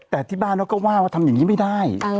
แต่ที่บ้านเขาก็ว่าว่าทำอย่างนี้ไม่ได้